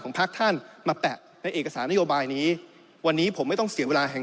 ของพาสท่านมาแตะในเอกสารนิยโอบายนี้วันนี้ผมไม่ต้องเสียเวลา